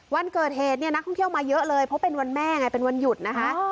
วันเกิดเหตุเนี่ยนักท่องเที่ยวมาเยอะเลยเพราะเป็นวันแม่ไงเป็นวันหยุดนะคะ